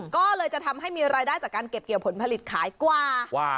ก็เลยจะทำให้มีรายได้จากการเก็บเกี่ยวผลผลิตขายกว่า